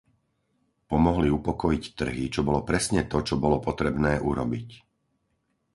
Pomohli upokojiť trhy, čo bolo presne to, čo bolo potrebné urobiť.